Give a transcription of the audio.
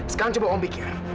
sekarang coba om pikir